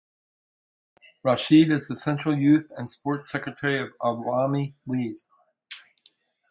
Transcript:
Rashid is the Central Youth and Sports Secretary of Awami League.